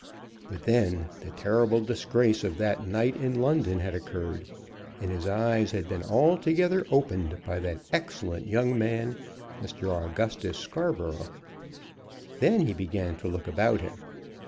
But then the terrible disgrace of that night in London had occurred, and his eyes had been altogether opened by that excellent young man, Mr. Augustus Scarborough; then he began to look about him.